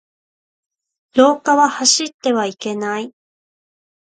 廊下は走ってはいけない。